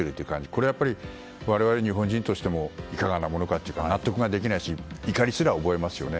これはやっぱり我々、日本人としてもいかがなものかというか納得ができないし怒りすら覚えますよね。